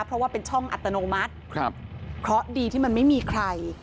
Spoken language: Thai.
เพราะว่าเป็นช่องอัตโนมัติครับเพราะดีที่มันไม่มีใคร